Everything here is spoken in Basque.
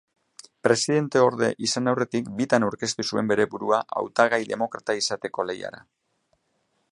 Presidenteorde izan aurretik bitan aurkeztu zuen bere burua hautagai demokrata izateko lehiara.